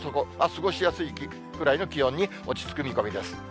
過ごしやすいくらいの気温に落ち着く見込みです。